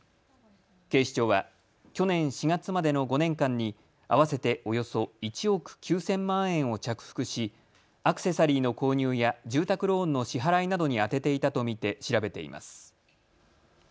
警視庁は去年４月までの５年間に合わせておよそ１億９０００万円を着服しアクセサリーの購入や住宅ローンの支払いなどに充てていたと見て調べています。